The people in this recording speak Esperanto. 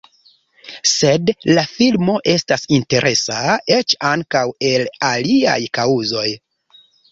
Sed la filmo estas interesa eĉ ankaŭ el aliaj kaŭzoj.